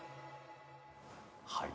はい。